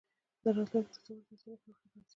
د راتلونکي تصور د انساني پرمختګ بنسټ دی.